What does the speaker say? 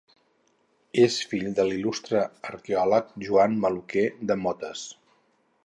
És fill de l'il·lustre arqueòleg Joan Maluquer de Motes.